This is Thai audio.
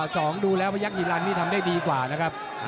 สองดูแล้วพยักษิรันนี่ทำได้ดีกว่านะครับ